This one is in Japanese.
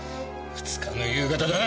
２日の夕方だな。